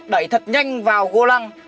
đẩy thật nhanh vào gô lăng